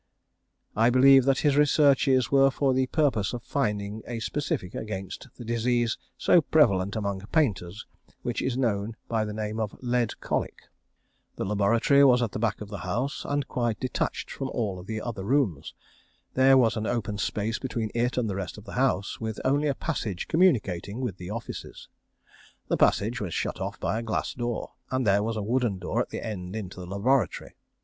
I believe that his researches were for the purpose of finding a specific against the disease so prevalent among painters, which is known by the name of "lead colic." The laboratory was at the back of the house, and quite detached from all the other rooms. There was an open space between it and the rest of the house, with only a passage communicating with the offices. This passage was shut off by a glass door, and there was a wooden door at the end into the laboratory.